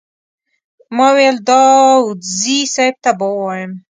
ما ویل داوودزي صیب ته به ووایم.